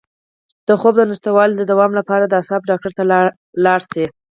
د خوب د نشتوالي د دوام لپاره د اعصابو ډاکټر ته لاړ شئ